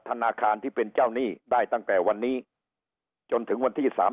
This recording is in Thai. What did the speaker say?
ธนาคารที่เป็นเจ้าหนี้ได้ตั้งแต่วันนี้จนถึงวันที่สาม